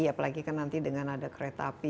apalagi kan nanti dengan ada kereta api